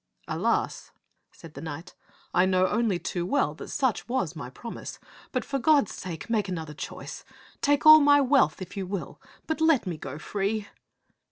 " Alas," said the knight, "I know only too well that such was my promise; but for God's sake make another choice. Take all my wealth if you will, but let me go free."